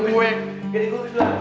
oke gue mau ke kantin